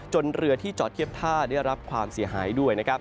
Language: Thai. เรือที่จอดเทียบท่าได้รับความเสียหายด้วยนะครับ